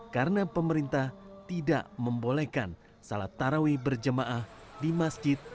karena pemerintah tidak membolehkan salat tarawih berjemaah di masjid